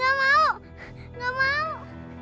gak mau gak mau